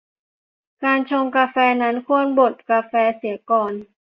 การชงกาแฟนั้น ควรบดกาแฟเสียก่อน